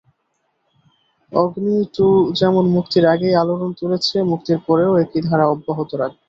অগ্নি-টু যেমন মুক্তির আগেই আলোড়ন তুলেছে, মুক্তির পরেও একই ধারা অব্যাহত রাখবে।